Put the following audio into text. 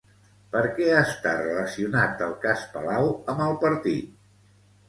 Per què està relacionat el cas Palau amb el partit?